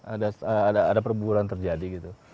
ada ada ada perburuan terjadi gitu